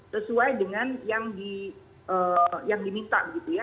sesuai dengan yang diminta gitu ya